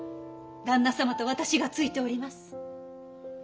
旦那様と私がついております。